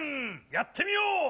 やってみよう！